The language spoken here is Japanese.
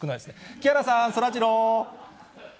木原さん、そらジロー。